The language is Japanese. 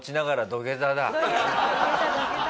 土下座土下座。